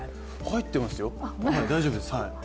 入ってますよ、大丈夫です。